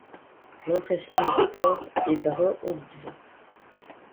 L'impression des spores est brun-olive.